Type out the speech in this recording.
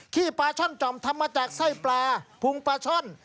ปลาช่อนจ่อมทำมาจากไส้ปลาพุงปลาช่อน